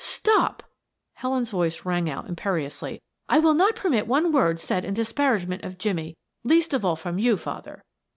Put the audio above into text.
"Stop!" Helen's voice rang out imperiously. "I will not permit one word said in disparagement of Jimmie, least of all from you, father.